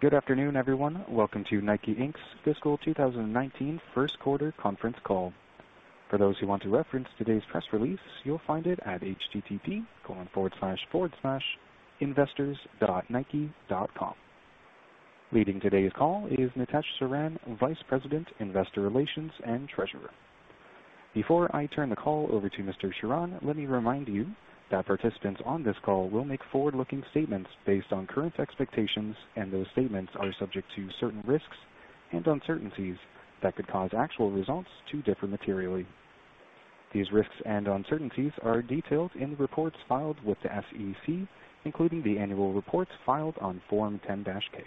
Good afternoon, everyone. Welcome to Nike, Inc.'s fiscal 2019 first quarter conference call. For those who want to reference today's press release, you'll find it at http://investors.nike.com. Leading today's call is Nitesh Sharan, Vice President, Investor Relations and Treasurer. Before I turn the call over to Mr. Sharan, let me remind you that participants on this call will make forward-looking statements based on current expectations, and those statements are subject to certain risks and uncertainties that could cause actual results to differ materially. These risks and uncertainties are detailed in the reports filed with the SEC, including the annual reports filed on Form 10-K.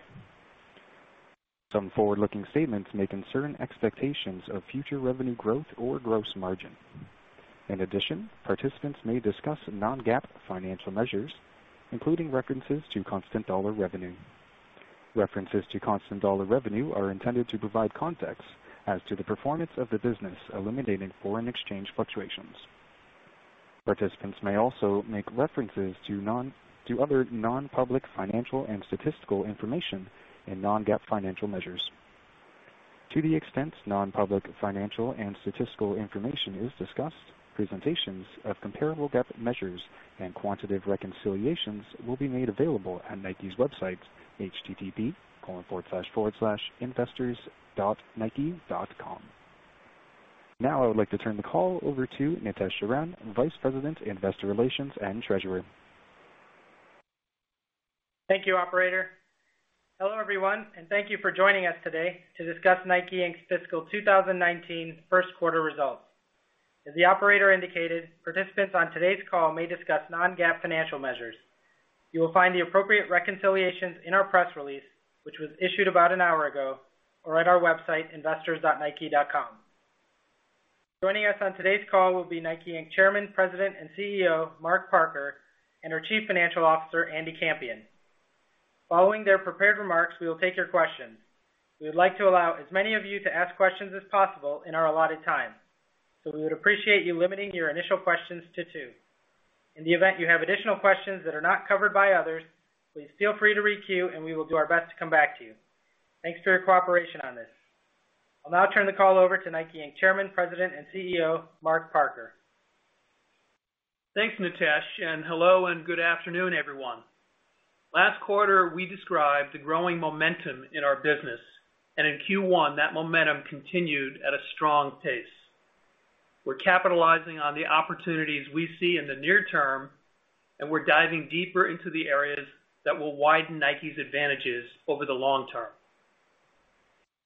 Some forward-looking statements may concern expectations of future revenue growth or gross margin. In addition, participants may discuss non-GAAP financial measures, including references to constant dollar revenue. References to constant dollar revenue are intended to provide context as to the performance of the business, eliminating foreign exchange fluctuations. Participants may also make references to other non-public financial and statistical information in non-GAAP financial measures. To the extent non-public financial and statistical information is discussed, presentations of comparable GAAP measures and quantitative reconciliations will be made available on Nike's website, http://investors.nike.com. I would like to turn the call over to Nitesh Sharan, Vice President, Investor Relations and Treasurer. Thank you, operator. Hello, everyone, thank you for joining us today to discuss Nike, Inc.'s fiscal 2019 first quarter results. As the operator indicated, participants on today's call may discuss non-GAAP financial measures. You will find the appropriate reconciliations in our press release, which was issued about an hour ago, or at our website, investors.nike.com. Joining us on today's call will be Nike, Inc. Chairman, President, and CEO, Mark Parker, and our Chief Financial Officer, Andy Campion. Following their prepared remarks, we will take your questions. We would like to allow as many of you to ask questions as possible in our allotted time, we would appreciate you limiting your initial questions to two. In the event you have additional questions that are not covered by others, please feel free to re-queue, and we will do our best to come back to you. Thanks for your cooperation on this. I'll now turn the call over to Nike, Inc. Chairman, President, and CEO, Mark Parker. Thanks, Nitesh, and hello, and good afternoon, everyone. Last quarter, we described the growing momentum in our business. In Q1, that momentum continued at a strong pace. We're capitalizing on the opportunities we see in the near term, and we're diving deeper into the areas that will widen Nike's advantages over the long term.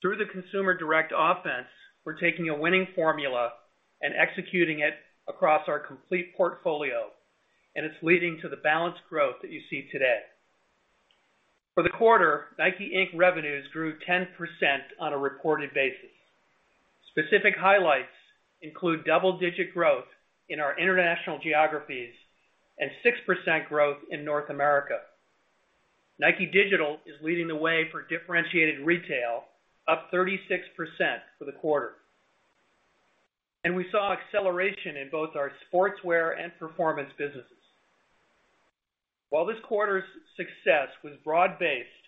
Through the Consumer Direct Offense, we're taking a winning formula and executing it across our complete portfolio, and it's leading to the balanced growth that you see today. For the quarter, Nike, Inc. revenues grew 10% on a reported basis. Specific highlights include double-digit growth in our international geographies and 6% growth in North America. Nike Digital is leading the way for differentiated retail, up 36% for the quarter. We saw acceleration in both our Sportswear and performance businesses. While this quarter's success was broad-based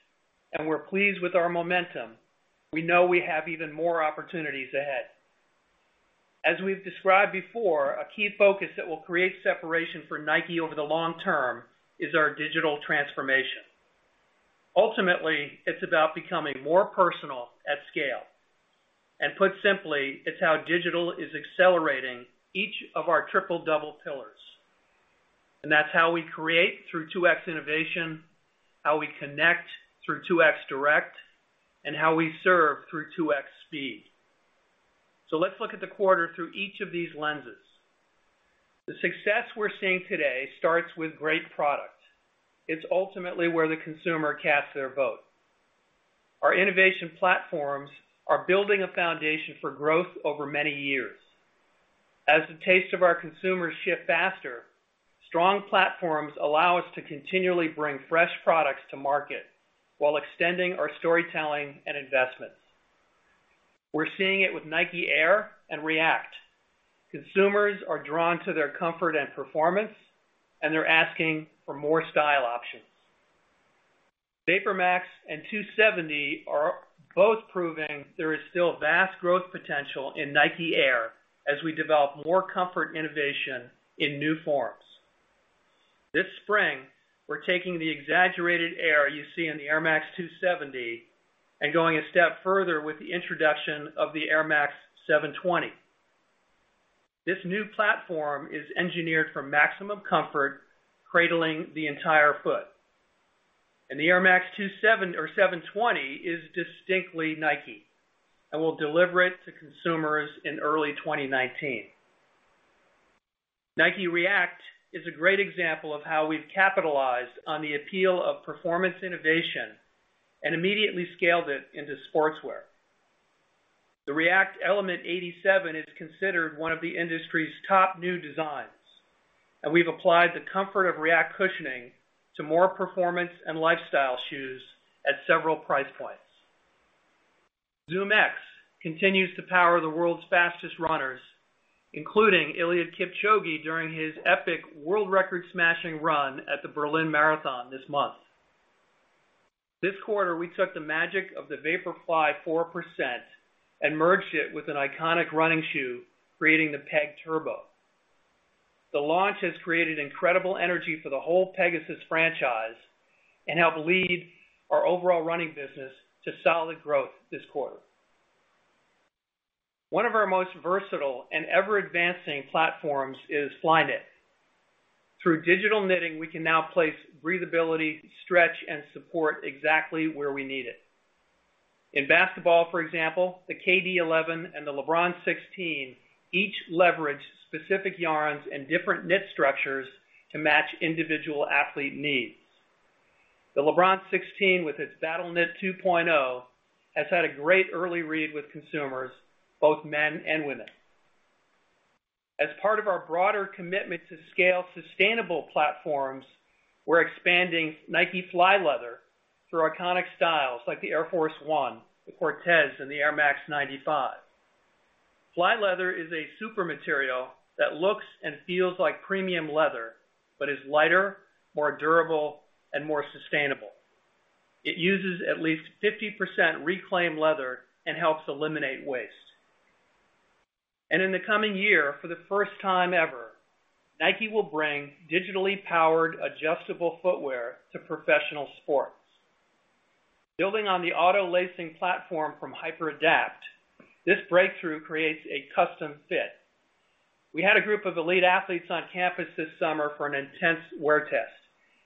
and we're pleased with our momentum, we know we have even more opportunities ahead. As we've described before, a key focus that will create separation for Nike over the long term is our digital transformation. Ultimately, it's about becoming more personal at scale. Put simply, it's how digital is accelerating each of our Triple Double pillars. That's how we create through 2X Innovation, how we connect through 2X Direct, and how we serve through 2X Speed. Let's look at the quarter through each of these lenses. The success we're seeing today starts with great product. It's ultimately where the consumer casts their vote. Our innovation platforms are building a foundation for growth over many years. As the tastes of our consumers shift faster, strong platforms allow us to continually bring fresh products to market while extending our storytelling and investments. We're seeing it with Nike Air and React. Consumers are drawn to their comfort and performance, and they're asking for more style options. VaporMax and 270 are both proving there is still vast growth potential in Nike Air as we develop more comfort innovation in new forms. This spring, we're taking the exaggerated air you see in the Air Max 270 and going a step further with the introduction of the Air Max 720. This new platform is engineered for maximum comfort, cradling the entire foot. The Air Max 720 is distinctly Nike, and we'll deliver it to consumers in early 2019. Nike React is a great example of how we've capitalized on the appeal of performance innovation and immediately scaled it into Sportswear. The React Element 87 is considered one of the industry's top new designs, and we've applied the comfort of React cushioning to more performance and lifestyle shoes at several price points. ZoomX continues to power the world's fastest runners, including Eliud Kipchoge during his epic world record-smashing run at the Berlin Marathon this month. This quarter, we took the magic of the Vaporfly 4% and merged it with an iconic running shoe, creating the Peg Turbo. The launch has created incredible energy for the whole Pegasus franchise and helped lead our overall running business to solid growth this quarter. One of our most versatile and ever-advancing platforms is Flyknit. Through digital knitting, we can now place breathability, stretch, and support exactly where we need it. In basketball, for example, the KD 11 and the LeBron 16 each leverage specific yarns and different knit structures to match individual athlete needs. The LeBron 16, with its Battleknit 2.0, has had a great early read with consumers, both men and women. As part of our broader commitment to scale sustainable platforms, we're expanding Nike Flyleather through iconic styles like the Air Force 1, the Cortez, and the Air Max 95. Flyleather is a super material that looks and feels like premium leather but is lighter, more durable, and more sustainable. It uses at least 50% reclaimed leather and helps eliminate waste. In the coming year, for the first time ever, Nike will bring digitally powered, adjustable footwear to professional sports. Building on the auto-lacing platform from HyperAdapt, this breakthrough creates a custom fit. We had a group of elite athletes on campus this summer for an intense wear test,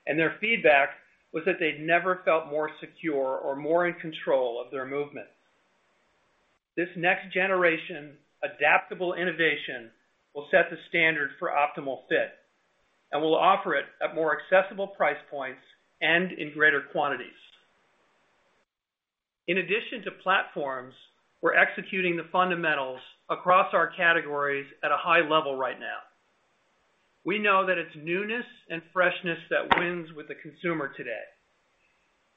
their feedback was that they'd never felt more secure or more in control of their movements. This next-generation adaptable innovation will set the standard for optimal fit and we'll offer it at more accessible price points and in greater quantities. In addition to platforms, we're executing the fundamentals across our categories at a high level right now. We know that it's newness and freshness that wins with the consumer today.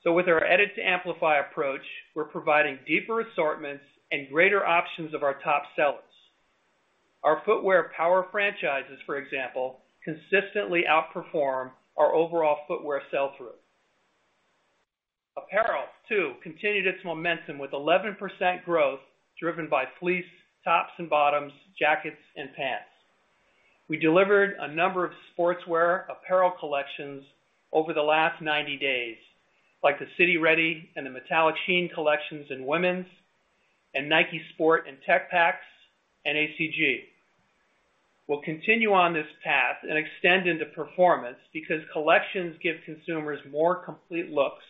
With our Edit to Amplify approach, we're providing deeper assortments and greater options of our top sellers. Our footwear power franchises, for example, consistently outperform our overall footwear sell-through. Apparel, too, continued its momentum with 11% growth driven by fleece, tops and bottoms, jackets, and pants. We delivered a number of sportswear apparel collections over the last 90 days, like the City Ready and the Metallic Sheen collections in women's, Nike Sport and Tech Packs and ACG. We'll continue on this path and extend into performance because collections give consumers more complete looks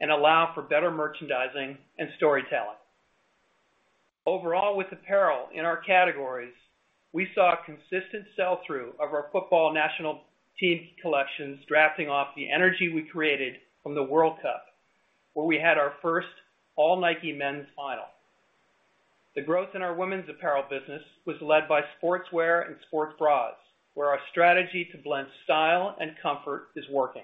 and allow for better merchandising and storytelling. Overall, with apparel in our categories, we saw consistent sell-through of our football national team collections drafting off the energy we created from the World Cup, where we had our first all-Nike men's final. The growth in our women's apparel business was led by sportswear and sports bras, where our strategy to blend style and comfort is working.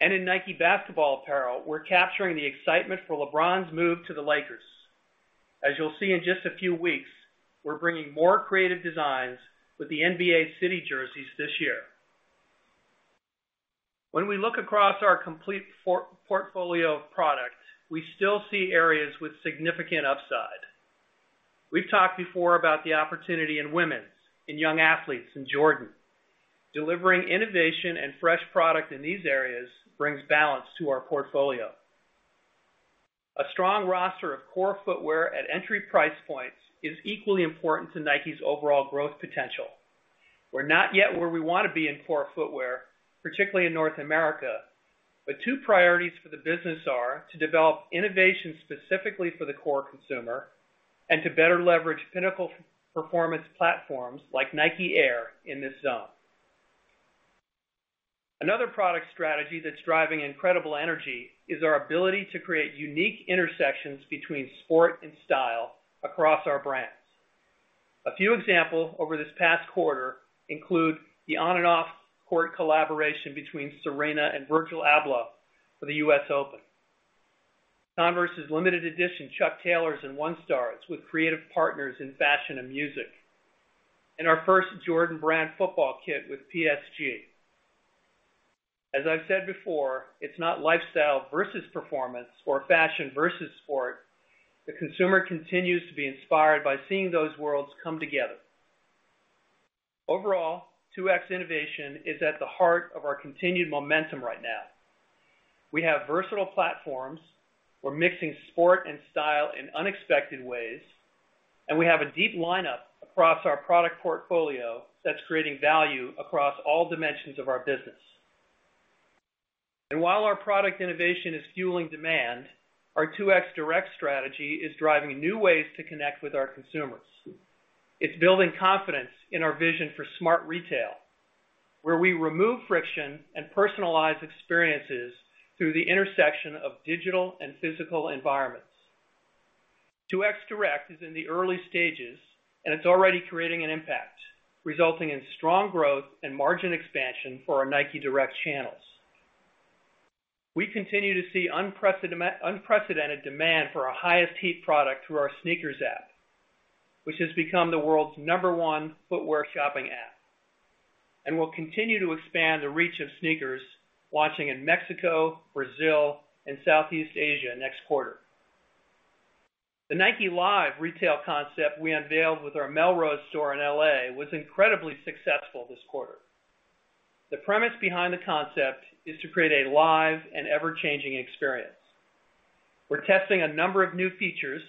In Nike basketball apparel, we're capturing the excitement for LeBron's move to the Lakers. As you'll see in just a few weeks, we're bringing more creative designs with the NBA City jerseys this year. When we look across our complete portfolio of products, we still see areas with significant upside. We've talked before about the opportunity in women's, in young athletes, in Jordan. Delivering innovation and fresh product in these areas brings balance to our portfolio. A strong roster of core footwear at entry price points is equally important to Nike's overall growth potential. We're not yet where we want to be in core footwear, particularly in North America, two priorities for the business are to develop innovation specifically for the core consumer and to better leverage pinnacle performance platforms like Nike Air in this zone. Another product strategy that's driving incredible energy is our ability to create unique intersections between sport and style across our brands. A few examples over this past quarter include the on and off-court collaboration between Serena and Virgil Abloh for the US Open. Converse's limited edition Chuck Taylors and One Stars with creative partners in fashion and music. Our first Jordan Brand football kit with PSG. As I've said before, it's not lifestyle versus performance or fashion versus sport. The consumer continues to be inspired by seeing those worlds come together. Overall, 2X Innovation is at the heart of our continued momentum right now. We have versatile platforms. We're mixing sport and style in unexpected ways, and we have a deep lineup across our product portfolio that's creating value across all dimensions of our business. While our product innovation is fueling demand, our 2X Direct strategy is driving new ways to connect with our consumers. It's building confidence in our vision for smart retail, where we remove friction and personalize experiences through the intersection of digital and physical environments. 2X Direct is in the early stages and it's already creating an impact, resulting in strong growth and margin expansion for our Nike Direct channels. We continue to see unprecedented demand for our highest heat product through our SNKRS app, which has become the world's number one footwear shopping app. We'll continue to expand the reach of SNKRS, launching in Mexico, Brazil, and Southeast Asia next quarter. The Nike Live retail concept we unveiled with our Melrose store in L.A. was incredibly successful this quarter. The premise behind the concept is to create a live and ever-changing experience. We're testing a number of new features,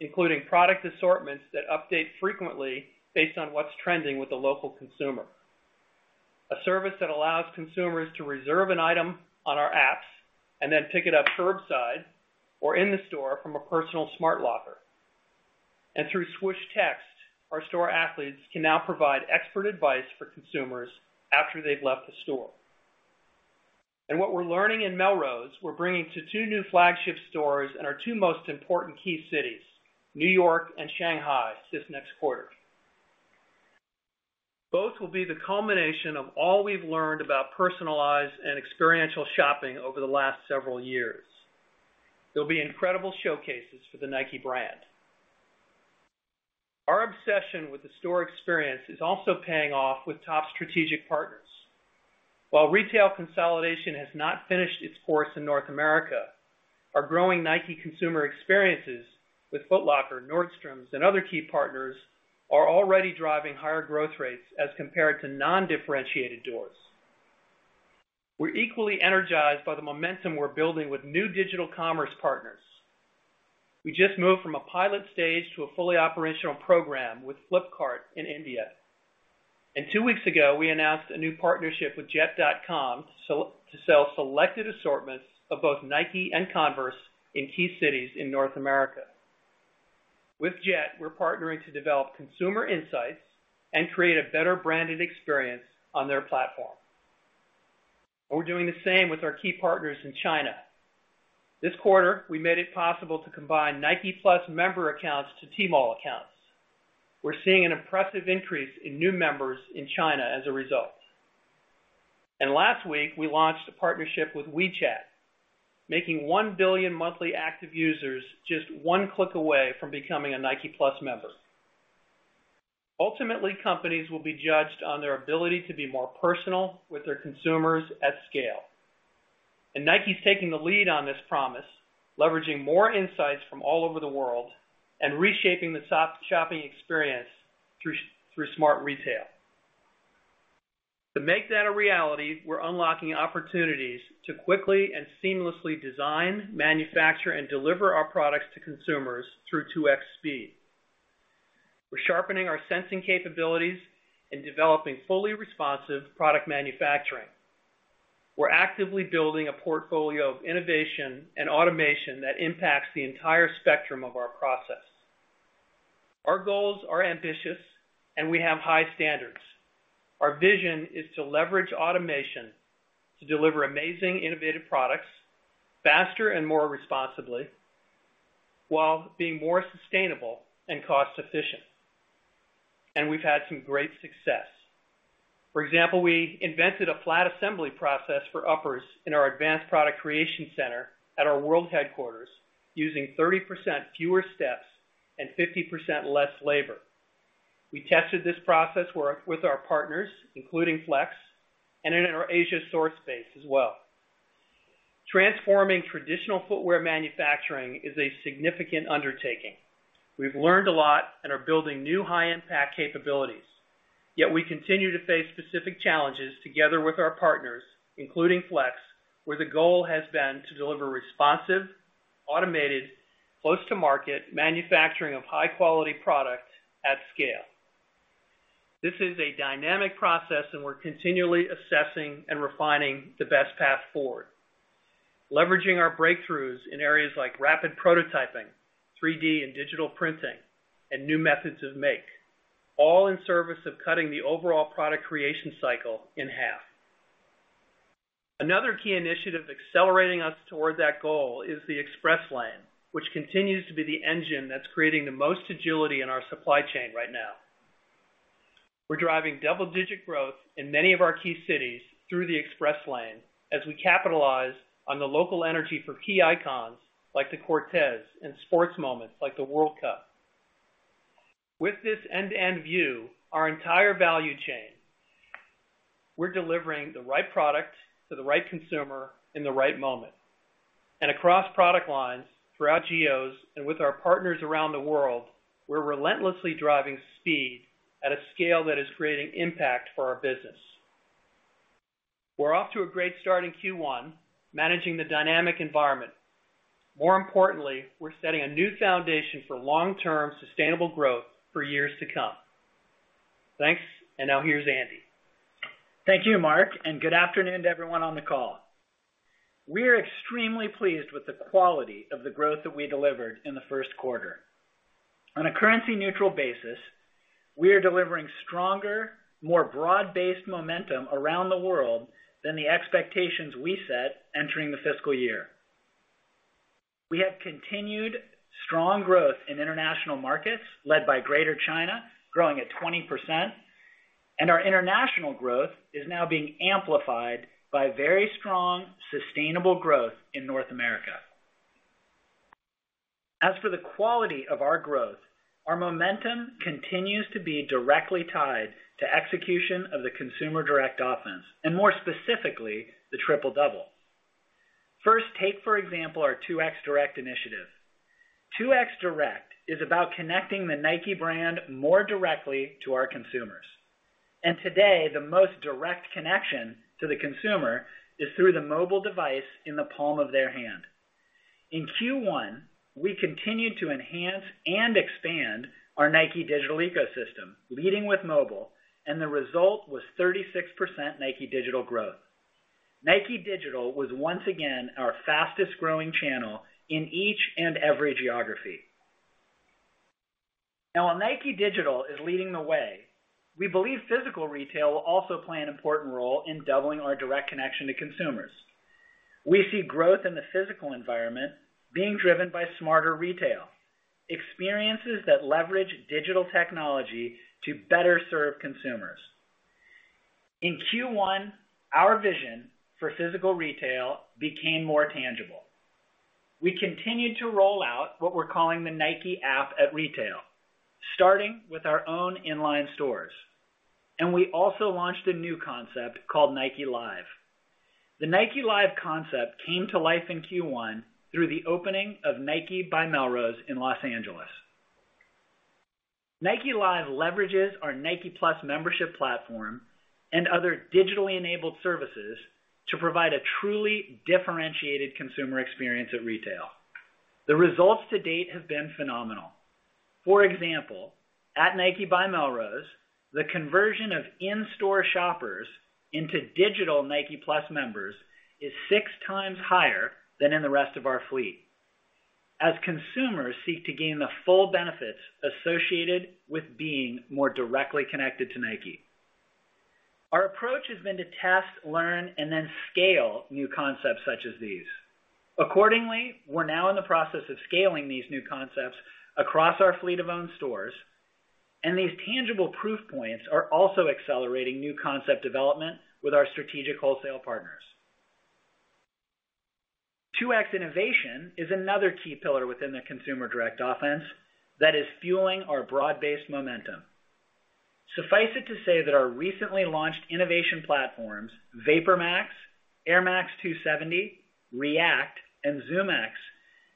including product assortments that update frequently based on what's trending with the local consumer. A service that allows consumers to reserve an item on our apps and then pick it up curbside or in the store from a personal smart locker. Through Swoosh Text, our store athletes can now provide expert advice for consumers after they've left the store. What we're learning in Melrose, we're bringing to two new flagship stores in our two most important key cities, New York and Shanghai, this next quarter. Both will be the culmination of all we've learned about personalized and experiential shopping over the last several years. They'll be incredible showcases for the Nike brand. Our obsession with the store experience is also paying off with top strategic partners. While retail consolidation has not finished its course in North America, our growing Nike consumer experiences with Foot Locker, Nordstrom, and other key partners are already driving higher growth rates as compared to non-differentiated doors. We're equally energized by the momentum we're building with new digital commerce partners. We just moved from a pilot stage to a fully operational program with Flipkart in India. Two weeks ago, we announced a new partnership with Jet.com to sell selected assortments of both Nike and Converse in key cities in North America. With Jet, we're partnering to develop consumer insights and create a better branded experience on their platform. We're doing the same with our key partners in China. This quarter, we made it possible to combine Nike+ member accounts to Tmall accounts. We're seeing an impressive increase in new members in China as a result. Last week, we launched a partnership with WeChat, making 1 billion monthly active users just one click away from becoming a Nike+ member. Ultimately, companies will be judged on their ability to be more personal with their consumers at scale. Nike's taking the lead on this promise, leveraging more insights from all over the world and reshaping the shopping experience through smart retail. To make that a reality, we're unlocking opportunities to quickly and seamlessly design, manufacture, and deliver our products to consumers through 2X Speed. We're sharpening our sensing capabilities and developing fully responsive product manufacturing. We're actively building a portfolio of innovation and automation that impacts the entire spectrum of our process. Our goals are ambitious and we have high standards. Our vision is to leverage automation to deliver amazing innovative products faster and more responsibly while being more sustainable and cost efficient. We've had some great success. For example, we invented a flat assembly process for uppers in our advanced product creation center at our world headquarters using 30% fewer steps and 50% less labor. We tested this process with our partners, including Flex, and in our Asia source base as well. Transforming traditional footwear manufacturing is a significant undertaking. We've learned a lot and are building new high impact capabilities. We continue to face specific challenges together with our partners, including Flex, where the goal has been to deliver responsive, automated, close to market manufacturing of high quality products at scale. This is a dynamic process and we're continually assessing and refining the best path forward. Leveraging our breakthroughs in areas like rapid prototyping, 3D and digital printing, and new methods of make, all in service of cutting the overall product creation cycle in half. Another key initiative accelerating us toward that goal is the Express Lane, which continues to be the engine that's creating the most agility in our supply chain right now. We're driving double digit growth in many of our key cities through the Express Lane as we capitalize on the local energy for key icons like the Cortez and sports moments like the World Cup. With this end-to-end view, our entire value chain, we're delivering the right product to the right consumer in the right moment. Across product lines, throughout geos, and with our partners around the world, we're relentlessly driving speed at a scale that is creating impact for our business. We're off to a great start in Q1, managing the dynamic environment. More importantly, we're setting a new foundation for long-term sustainable growth for years to come. Thanks. Now here's Andy. Thank you, Mark, and good afternoon to everyone on the call. We are extremely pleased with the quality of the growth that we delivered in the first quarter. On a currency neutral basis. We are delivering stronger, more broad-based momentum around the world than the expectations we set entering the fiscal year. We have continued strong growth in international markets, led by Greater China, growing at 20%. Our international growth is now being amplified by very strong, sustainable growth in North America. As for the quality of our growth, our momentum continues to be directly tied to execution of the Consumer Direct Offense, and more specifically, the Triple Double. First, take, for example, our 2X Direct initiative. 2X Direct is about connecting the Nike brand more directly to our consumers. Today, the most direct connection to the consumer is through the mobile device in the palm of their hand. In Q1, we continued to enhance and expand our Nike Digital ecosystem, leading with mobile, the result was 36% Nike Digital growth. Nike Digital was once again our fastest-growing channel in each and every geography. While Nike Digital is leading the way, we believe physical retail will also play an important role in doubling our direct connection to consumers. We see growth in the physical environment being driven by smarter retail experiences that leverage digital technology to better serve consumers. In Q1, our vision for physical retail became more tangible. We continued to roll out what we're calling the Nike App at Retail, starting with our own in-line stores. We also launched a new concept called Nike Live. The Nike Live concept came to life in Q1 through the opening of Nike by Melrose in L.A. Nike Live leverages our NikePlus membership platform and other digitally enabled services to provide a truly differentiated consumer experience at retail. The results to date have been phenomenal. For example, at Nike by Melrose, the conversion of in-store shoppers into digital NikePlus members is six times higher than in the rest of our fleet, as consumers seek to gain the full benefits associated with being more directly connected to Nike. Our approach has been to test, learn, scale new concepts such as these. Accordingly, we're now in the process of scaling these new concepts across our fleet of own stores, these tangible proof points are also accelerating new concept development with our strategic wholesale partners. 2X Innovation is another key pillar within the Consumer Direct Offense that is fueling our broad-based momentum. Suffice it to say that our recently launched innovation platforms, VaporMax, Air Max 270, React, and ZoomX,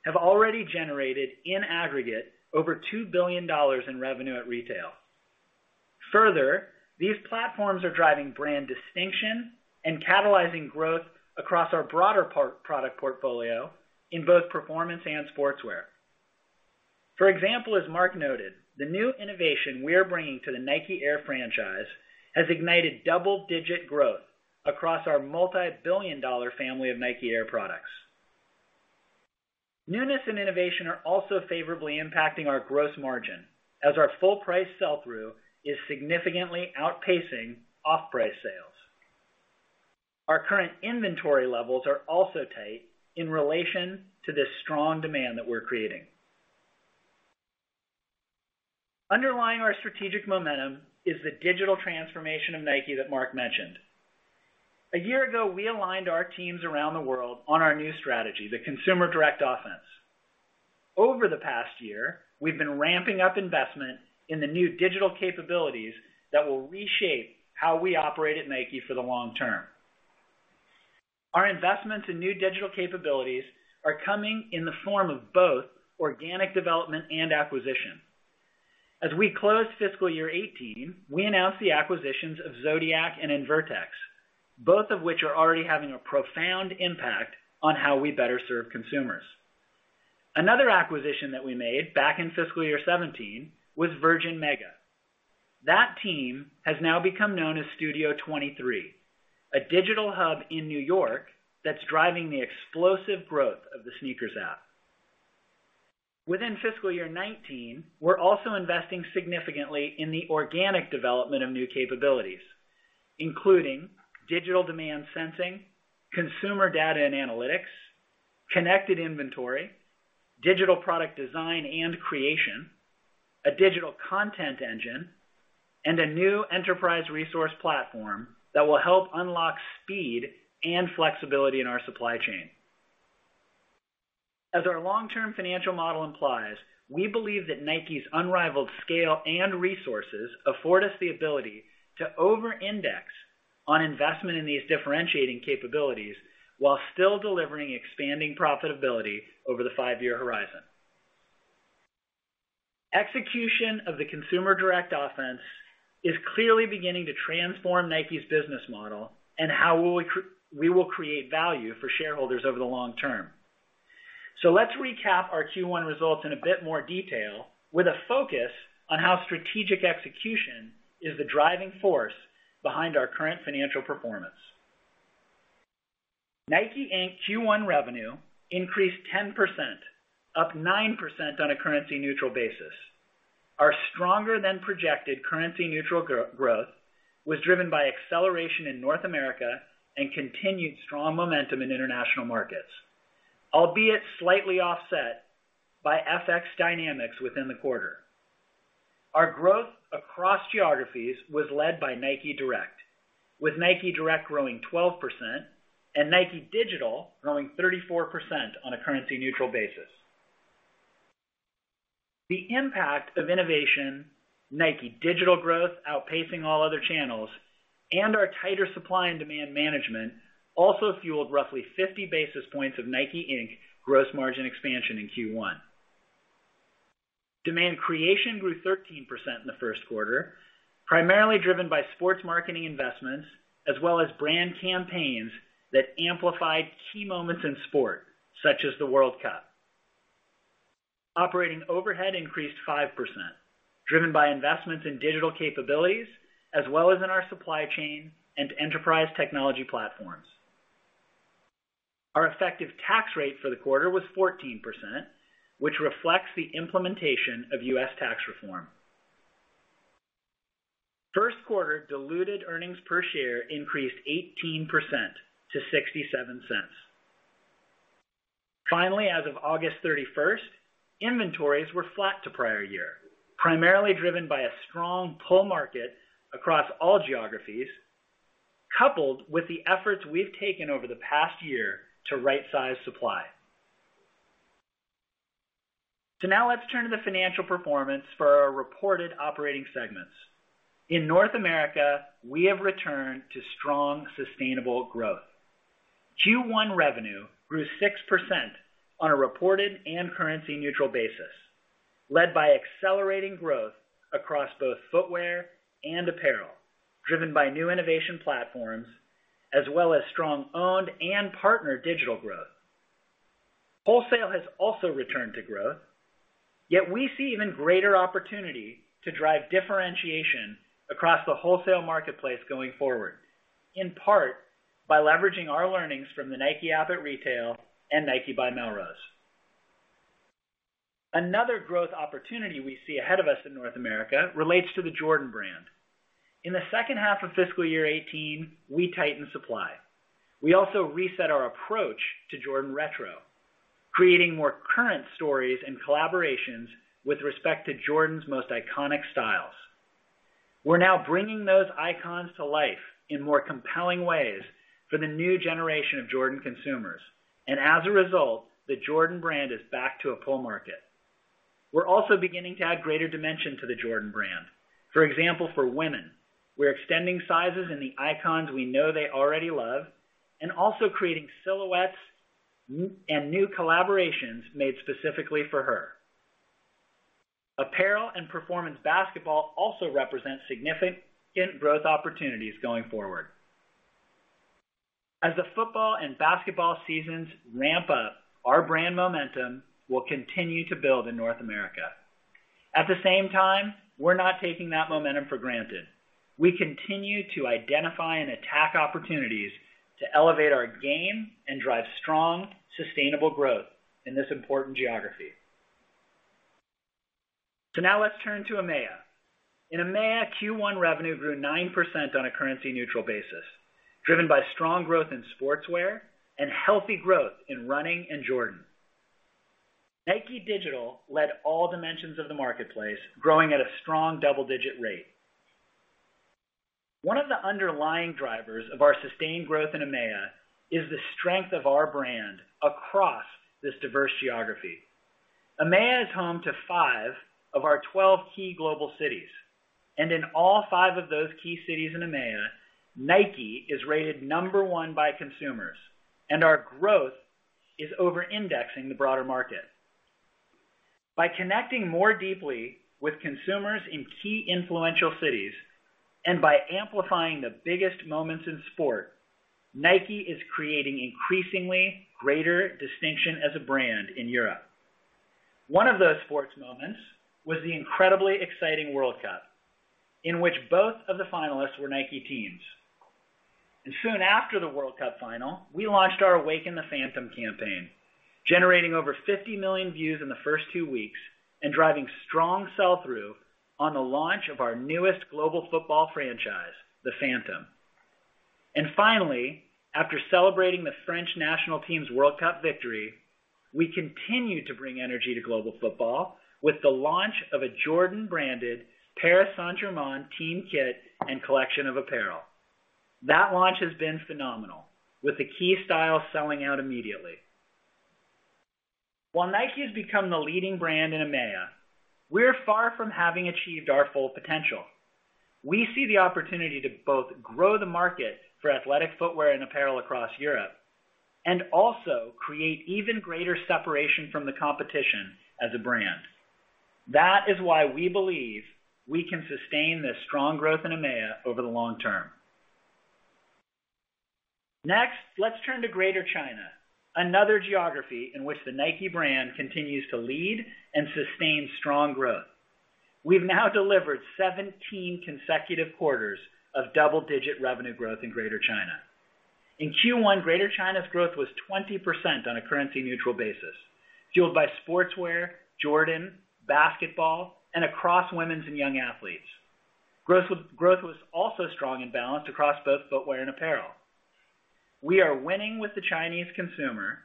have already generated, in aggregate, over $2 billion in revenue at retail. These platforms are driving brand distinction and catalyzing growth across our broader product portfolio in both performance and Sportswear. For example, as Mark noted, the new innovation we are bringing to the Nike Air franchise has ignited double-digit growth across our multi-billion-dollar family of Nike Air products. Newness and innovation are also favorably impacting our gross margin, as our full price sell-through is significantly outpacing off-price sales. Our current inventory levels are also tight in relation to the strong demand that we're creating. Underlying our strategic momentum is the digital transformation of Nike that Mark mentioned. A year ago, we aligned our teams around the world on our new strategy, the Consumer Direct Offense. Over the past year, we've been ramping up investment in the new digital capabilities that will reshape how we operate at Nike for the long term. Our investments in new digital capabilities are coming in the form of both organic development and acquisition. As we closed fiscal year 2018, we announced the acquisitions of Zodiac and Invertex, both of which are already having a profound impact on how we better serve consumers. Another acquisition that we made back in fiscal year 2017 was Virgin Mega. That team has now become known as Studio 23, a digital hub in N.Y. that's driving the explosive growth of the SNKRS app. Within fiscal year 2019, we're also investing significantly in the organic development of new capabilities, including digital demand sensing, consumer data and analytics, connected inventory, digital product design and creation, a digital content engine, and a new enterprise resource platform that will help unlock speed and flexibility in our supply chain. As our long-term financial model implies, we believe that Nike's unrivaled scale and resources afford us the ability to over-index on investment in these differentiating capabilities while still delivering expanding profitability over the five-year horizon. Execution of the Consumer Direct Offense is clearly beginning to transform Nike's business model and how we will create value for shareholders over the long term. Let's recap our Q1 results in a bit more detail with a focus on how strategic execution is the driving force behind our current financial performance. Nike, Inc.'s Q1 revenue increased 10%, up 9% on a currency-neutral basis. Our stronger-than-projected currency-neutral growth was driven by acceleration in North America and continued strong momentum in international markets, albeit slightly offset by FX dynamics within the quarter. Our growth across geographies was led by Nike Direct, with Nike Direct growing 12% and Nike Digital growing 34% on a currency-neutral basis. The impact of innovation, Nike Digital growth outpacing all other channels, and our tighter supply and demand management also fueled roughly 50 basis points of Nike, Inc. gross margin expansion in Q1. Demand creation grew 13% in the first quarter, primarily driven by sports marketing investments, as well as brand campaigns that amplified key moments in sport, such as the World Cup. Operating overhead increased 5%, driven by investments in digital capabilities as well as in our supply chain and enterprise technology platforms. Our effective tax rate for the quarter was 14%, which reflects the implementation of U.S. tax reform. First quarter diluted earnings per share increased 18% to $0.67. Finally, as of August 31st, inventories were flat to prior year, primarily driven by a strong pull market across all geographies, coupled with the efforts we've taken over the past year to rightsize supply. Now let's turn to the financial performance for our reported operating segments. In North America, we have returned to strong, sustainable growth. Q1 revenue grew 6% on a reported and currency-neutral basis, led by accelerating growth across both footwear and apparel, driven by new innovation platforms as well as strong owned and partner digital growth. Wholesale has also returned to growth. We see even greater opportunity to drive differentiation across the wholesale marketplace going forward, in part by leveraging our learnings from the Nike App at Retail and Nike by Melrose. Another growth opportunity we see ahead of us in North America relates to the Jordan Brand. In the second half of fiscal year 2018, we tightened supply. We also reset our approach to Jordan Retro, creating more current stories and collaborations with respect to Jordan's most iconic styles. We're now bringing those icons to life in more compelling ways for the new generation of Jordan consumers. As a result, the Jordan Brand is back to a pull market. We're also beginning to add greater dimension to the Jordan Brand. For example, for women, we're extending sizes in the icons we know they already love, and also creating silhouettes and new collaborations made specifically for her. Apparel and performance basketball also represent significant growth opportunities going forward. As the football and basketball seasons ramp up, our brand momentum will continue to build in North America. At the same time, we're not taking that momentum for granted. We continue to identify and attack opportunities to elevate our game and drive strong, sustainable growth in this important geography. Now let's turn to EMEA. In EMEA, Q1 revenue grew 9% on a currency-neutral basis, driven by strong growth in sportswear and healthy growth in running and Jordan. Nike Digital led all dimensions of the marketplace, growing at a strong double-digit rate. One of the underlying drivers of our sustained growth in EMEA is the strength of our brand across this diverse geography. EMEA is home to five of our 12 key global cities. In all five of those key cities in EMEA, Nike is rated number one by consumers, and our growth is over-indexing the broader market. By connecting more deeply with consumers in key influential cities and by amplifying the biggest moments in sport, Nike is creating increasingly greater distinction as a brand in Europe. One of those sports moments was the incredibly exciting World Cup, in which both of the finalists were Nike teams. Soon after the World Cup final, we launched our Awaken the Phantom campaign, generating over 50 million views in the first two weeks and driving strong sell-through on the launch of our newest global football franchise, the Phantom. Finally, after celebrating the French national team's World Cup victory, we continue to bring energy to global football with the launch of a Jordan-branded Paris Saint-Germain team kit and collection of apparel. That launch has been phenomenal, with the key style selling out immediately. While Nike has become the leading brand in EMEA, we're far from having achieved our full potential. We see the opportunity to both grow the market for athletic footwear and apparel across Europe and also create even greater separation from the competition as a brand. That is why we believe we can sustain this strong growth in EMEA over the long term. Next, let's turn to Greater China, another geography in which the Nike brand continues to lead and sustain strong growth. We've now delivered 17 consecutive quarters of double-digit revenue growth in Greater China. In Q1, Greater China's growth was 20% on a currency-neutral basis, fueled by sportswear, Jordan, basketball, and across women's and young athletes. Growth was also strong and balanced across both footwear and apparel. We are winning with the Chinese consumer,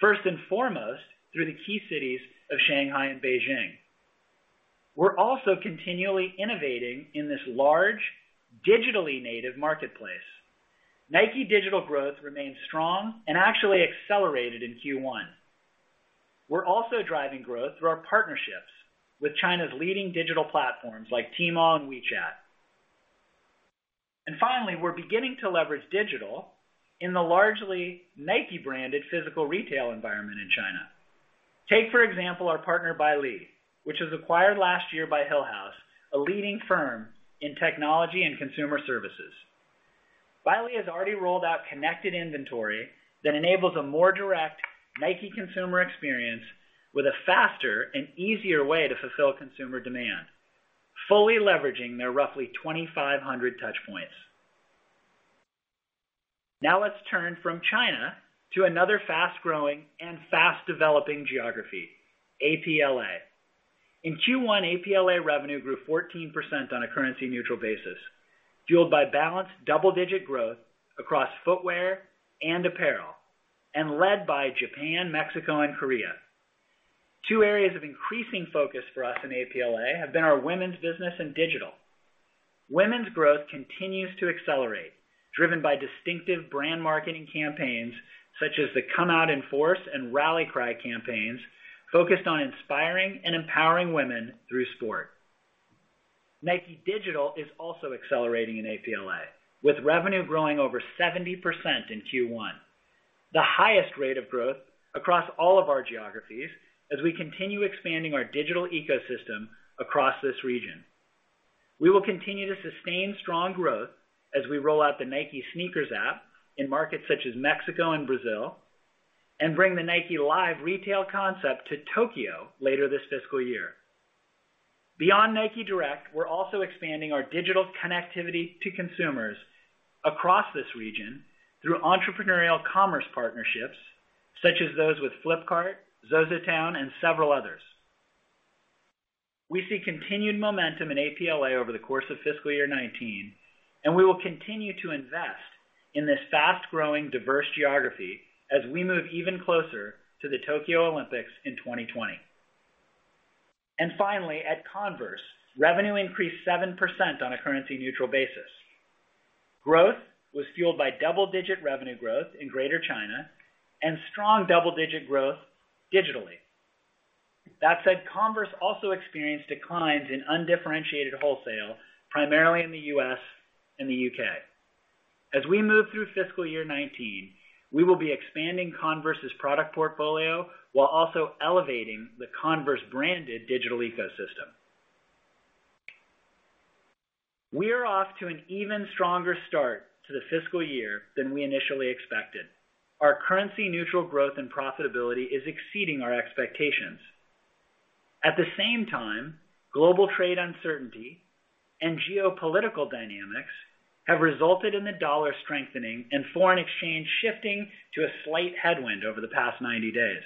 first and foremost, through the key cities of Shanghai and Beijing. We're also continually innovating in this large, digitally native marketplace. Nike Digital growth remains strong and actually accelerated in Q1. We're also driving growth through our partnerships with China's leading digital platforms like Tmall and WeChat. Finally, we're beginning to leverage digital in the largely Nike-branded physical retail environment in China. Take, for example, our partner, Belle, which was acquired last year by Hillhouse, a leading firm in technology and consumer services. Belle has already rolled out connected inventory that enables a more direct Nike consumer experience with a faster and easier way to fulfill consumer demand, fully leveraging their roughly 2,500 touch points. Let's turn from China to another fast-growing and fast developing geography, APLA. In Q1, APLA revenue grew 14% on a currency neutral basis, fueled by balanced double-digit growth across footwear and apparel, and led by Japan, Mexico, and Korea. Two areas of increasing focus for us in APLA have been our women's business and digital. Women's growth continues to accelerate, driven by distinctive brand marketing campaigns such as the Come Out in Force and Rally Cry campaigns focused on inspiring and empowering women through sport. Nike Digital is also accelerating in APLA, with revenue growing over 70% in Q1. The highest rate of growth across all of our geographies as we continue expanding our digital ecosystem across this region. We will continue to sustain strong growth as we roll out the Nike SNKRS app in markets such as Mexico and Brazil, and bring the Nike Live retail concept to Tokyo later this fiscal year. Beyond Nike Direct, we are also expanding our digital connectivity to consumers across this region through entrepreneurial commerce partnerships such as those with Flipkart, ZOZOTOWN, and several others. We see continued momentum in APLA over the course of fiscal year 2019, and we will continue to invest in this fast-growing, diverse geography as we move even closer to the Tokyo Olympics in 2020. Finally, at Converse, revenue increased 7% on a currency neutral basis. Growth was fueled by double-digit revenue growth in Greater China and strong double-digit growth digitally. That said, Converse also experienced declines in undifferentiated wholesale, primarily in the U.S. and the U.K. As we move through fiscal year 2019, we will be expanding Converse's product portfolio while also elevating the Converse-branded digital ecosystem. We are off to an even stronger start to the fiscal year than we initially expected. Our currency neutral growth and profitability is exceeding our expectations. At the same time, global trade uncertainty and geopolitical dynamics have resulted in the dollar strengthening and foreign exchange shifting to a slight headwind over the past 90 days.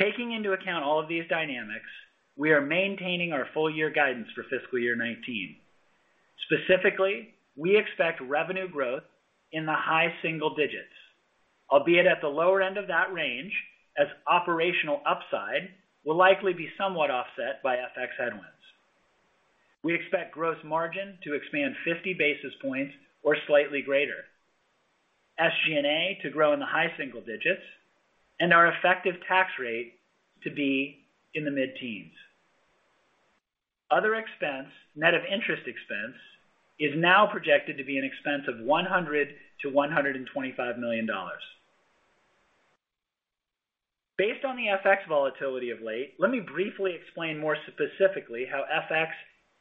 Taking into account all of these dynamics, we are maintaining our full year guidance for fiscal year 2019. Specifically, we expect revenue growth in the high single digits, albeit at the lower end of that range as operational upside will likely be somewhat offset by FX headwinds. We expect gross margin to expand 50 basis points or slightly greater, SG&A to grow in the high single digits, and our effective tax rate to be in the mid-teens. Other expense, net of interest expense, is now projected to be an expense of $100 million-$125 million. Based on the FX volatility of late, let me briefly explain more specifically how FX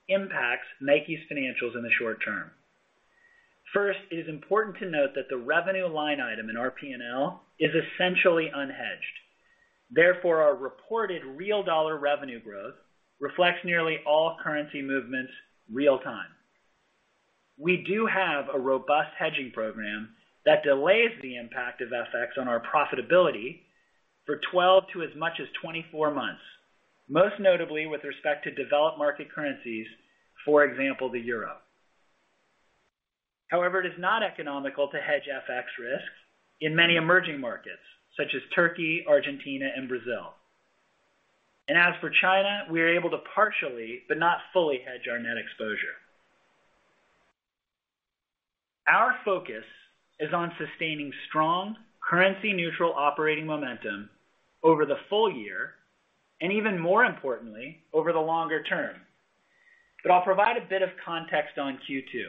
impacts Nike's financials in the short term. First, it is important to note that the revenue line item in our P&L is essentially unhedged. Therefore, our reported real dollar revenue growth reflects nearly all currency movements real time. We do have a robust hedging program that delays the impact of FX on our profitability for 12-24 months, most notably with respect to developed market currencies, for example, the EUR. It is not economical to hedge FX risks in many emerging markets such as Turkey, Argentina, and Brazil. As for China, we are able to partially, but not fully, hedge our net exposure. Our focus is on sustaining strong currency neutral operating momentum over the full year, and even more importantly, over the longer term. I'll provide a bit of context on Q2.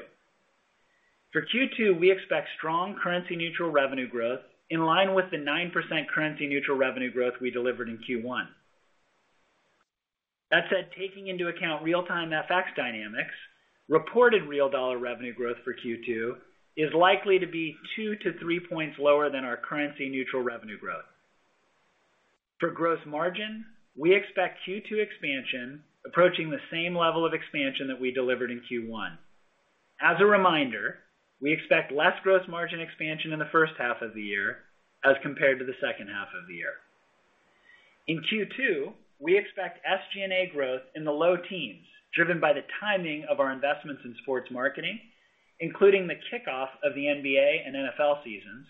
For Q2, we expect strong currency neutral revenue growth in line with the 9% currency neutral revenue growth we delivered in Q1. That said, taking into account real-time FX dynamics. Reported real dollar revenue growth for Q2 is likely to be 2 to 3 points lower than our currency neutral revenue growth. For gross margin, we expect Q2 expansion approaching the same level of expansion that we delivered in Q1. As a reminder, we expect less gross margin expansion in the first half of the year as compared to the second half of the year. In Q2, we expect SGA growth in the low teens, driven by the timing of our investments in sports marketing, including the kickoff of the NBA and NFL seasons,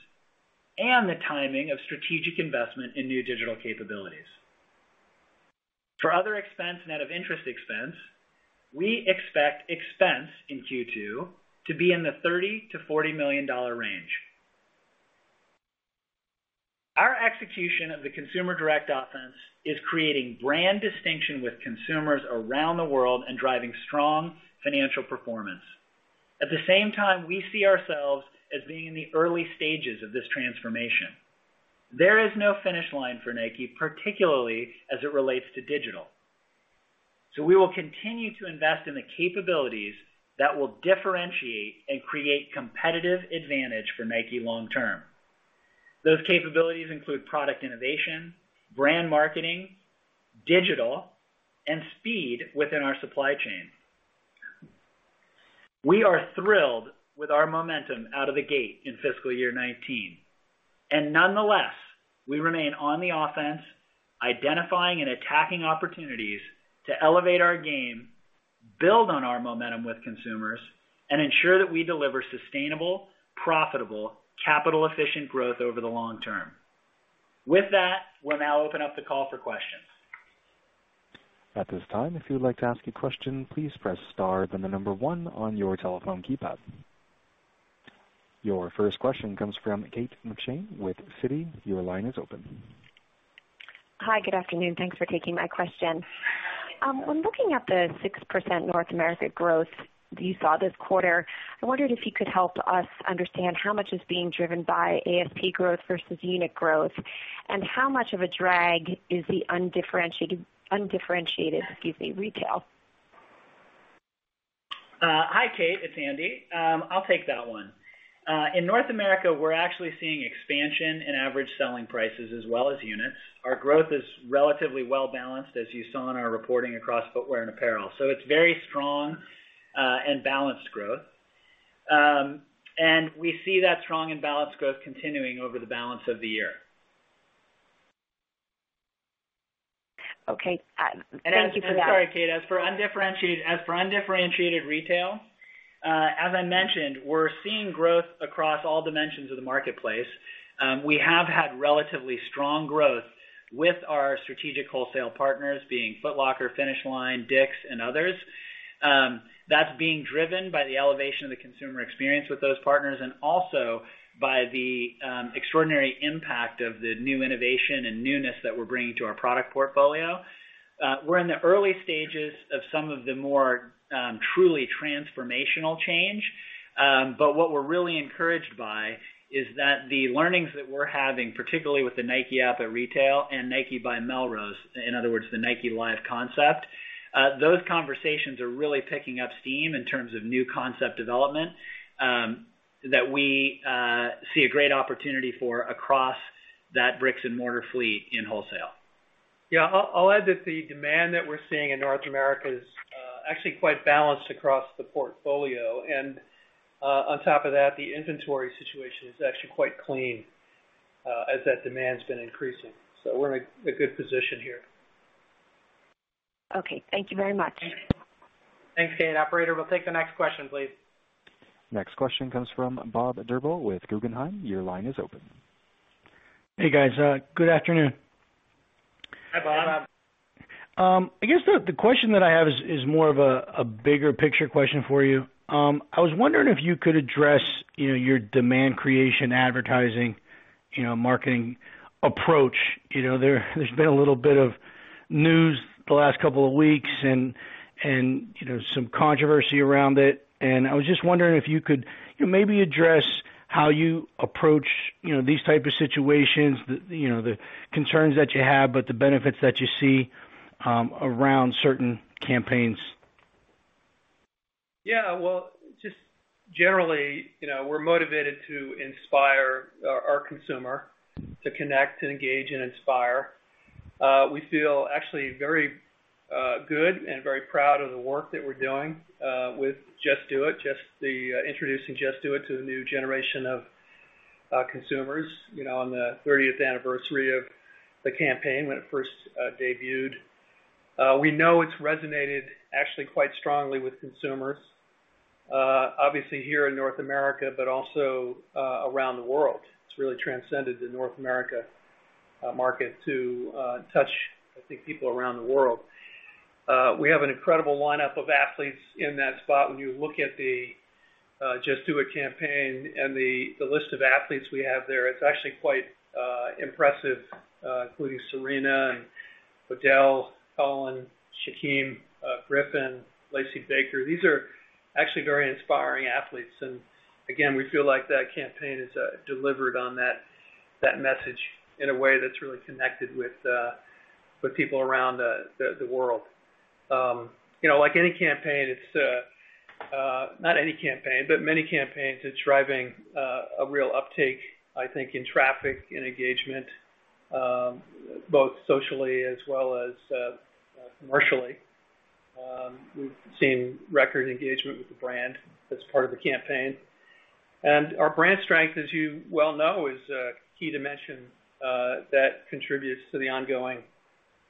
and the timing of strategic investment in new digital capabilities. For other expense, net of interest expense, we expect expense in Q2 to be in the $30 million-$40 million range. Our execution of the Consumer Direct Offense is creating brand distinction with consumers around the world and driving strong financial performance. At the same time, we see ourselves as being in the early stages of this transformation. There is no finish line for Nike, particularly as it relates to digital. We will continue to invest in the capabilities that will differentiate and create competitive advantage for Nike long term. Those capabilities include product innovation, brand marketing, digital, and speed within our supply chain. We are thrilled with our momentum out of the gate in fiscal year 2019. Nonetheless, we remain on the offense, identifying and attacking opportunities to elevate our game, build on our momentum with consumers, and ensure that we deliver sustainable, profitable, capital-efficient growth over the long term. With that, we'll now open up the call for questions. At this time, if you would like to ask a question, please press star, then the number 1 on your telephone keypad. Your first question comes from Kate McShane with Citi. Your line is open. Hi. Good afternoon. Thanks for taking my question. When looking at the 6% North America growth that you saw this quarter, I wondered if you could help us understand how much is being driven by ASP growth versus unit growth, and how much of a drag is the undifferentiated retail. Hi, Kate. It's Andy. I'll take that one. In North America, we're actually seeing expansion in average selling prices as well as units. Our growth is relatively well balanced, as you saw in our reporting across footwear and apparel. It's very strong and balanced growth. We see that strong and balanced growth continuing over the balance of the year. Okay. Thank you for that. Sorry, Kate, as for undifferentiated retail, as I mentioned, we're seeing growth across all dimensions of the marketplace. We have had relatively strong growth with our strategic wholesale partners being Foot Locker, Finish Line, Dick's, and others. That's being driven by the elevation of the consumer experience with those partners and also by the extraordinary impact of the new innovation and newness that we're bringing to our product portfolio. We're in the early stages of some of the more truly transformational change. What we're really encouraged by is that the learnings that we're having, particularly with the Nike App at Retail and Nike by Melrose, in other words, the Nike Live concept, those conversations are really picking up steam in terms of new concept development, that we see a great opportunity for across that bricks and mortar fleet in wholesale. I'll add that the demand that we're seeing in North America is actually quite balanced across the portfolio. On top of that, the inventory situation is actually quite clean as that demand's been increasing. We're in a good position here. Okay. Thank you very much. Thanks, Kate. Operator, we'll take the next question, please. Next question comes from Bob Drbul with Guggenheim. Your line is open. Hey, guys. Good afternoon. Hi, Bob. Hi, Bob. I guess the question that I have is more of a bigger picture question for you. I was wondering if you could address your demand creation, advertising, marketing approach. There's been a little bit of news the last couple of weeks and some controversy around it. I was just wondering if you could maybe address how you approach these type of situations, the concerns that you have, but the benefits that you see around certain campaigns. Well, just generally, we're motivated to inspire our consumer, to connect and engage and inspire. We feel actually very good and very proud of the work that we're doing with Just Do It, introducing Just Do It to the new generation of consumers on the 30th anniversary of the campaign when it first debuted. We know it's resonated actually quite strongly with consumers, obviously here in North America, but also around the world. It's really transcended the North America market to touch, I think, people around the world. We have an incredible lineup of athletes in that spot. When you look at the Just Do It campaign and the list of athletes we have there, it's actually quite impressive, including Serena and Odell, Colin, Shaquem Griffin, Lacey Baker. These are actually very inspiring athletes. Again, we feel like that campaign has delivered on that message in a way that's really connected with people around the world. Like any campaign, not any campaign, but many campaigns, it's driving a real uptake, I think, in traffic, in engagement, both socially as well as commercially. We've seen record engagement with the brand as part of the campaign. Our brand strength, as you well know, is a key dimension that contributes to the ongoing